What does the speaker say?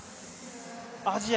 アジア